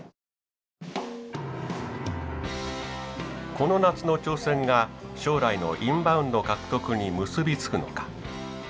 この夏の挑戦が将来のインバウンド獲得に結び付くのか。